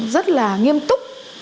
rất là nghiêm túc